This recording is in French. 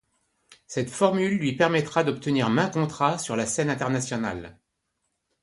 Cette formule lui permettra d'obtenir maints contrats sur la scène internationale.